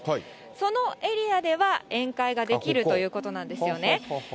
そのエリアでは、宴会ができるということなんですよね。